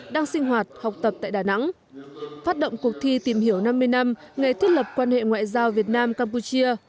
đang sinh hoạt học tập tại đà nẵng phát động cuộc thi tìm hiểu năm mươi năm ngày thiết lập quan hệ ngoại giao việt nam campuchia